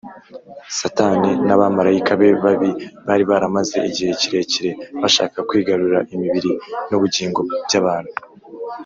satani n’abamarayika be babi bari baramaze igihe kirekire bashaka kwigarurira imibiri n’ubugingo by’abantu